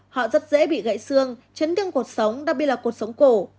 họ rất dễ bị gãy xương chấn thương cuộc sống đặc biệt là cuộc sống cổ